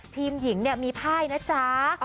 ทีมหญิงมีพายนะจ๊ะ